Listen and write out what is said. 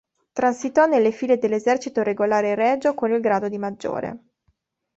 Transitò nelle file dell'esercito regolare regio con il grado di maggiore.